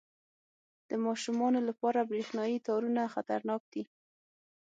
• د ماشومانو لپاره برېښنايي تارونه خطرناک دي.